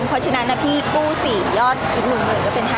เพราะฉะนั้นนะพี่กู้สี่ยอดอีกหนึ่งหมื่นก็เป็นห้า